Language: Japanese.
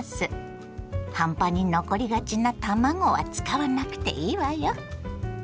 半端に残りがちな卵は使わなくていいわよ。